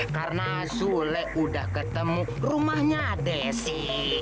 karena sule udah ketemu rumahnya desi